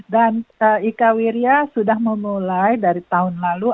dan ika wirja sudah memulai dari tahun lalu